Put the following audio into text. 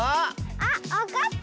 あっわかった！